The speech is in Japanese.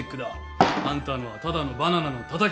あんたのはただのバナナのたたき売り。